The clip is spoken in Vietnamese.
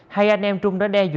hai anh em trung đã đe dọa